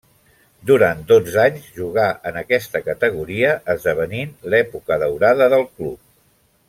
Durant dotze anys jugà en aquesta categoria, esdevenint l'època daurada del club.